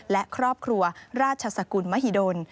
และครอบครัวราชสกุลมหิดล